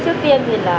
thì cô sẽ như thế nào